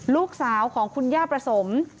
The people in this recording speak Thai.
ลูกสาวของคุณย่าประสม